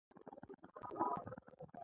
دوی باید د لوړو زدکړو سند ولري.